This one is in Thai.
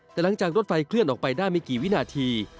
แต่หลังจากรถไฟเคลื่อนออกไปได้ไม่กี่วินาที